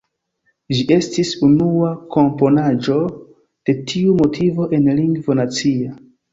Ĝi estis unua komponaĵo de tiu motivo en lingvo nacia.